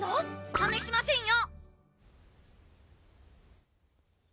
ためしませんよ！